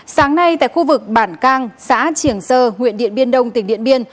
sáng nay tại khu vực bản cang xã triển sơ huyện điện biên đông tỉnh điện biên